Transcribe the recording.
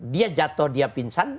dia jatuh dia pingsan